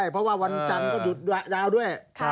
เพราะว่าวันจังหยุดยาวด้วย